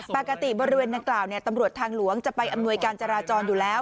ปกติบริเวณดังกล่าวตำรวจทางหลวงจะไปอำนวยการจราจรอยู่แล้ว